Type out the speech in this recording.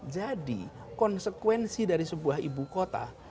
jadi konsekuensi dari sebuah ibu kota